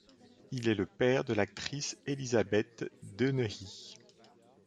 Il est le père de l'actrice Elizabeth Dennehy.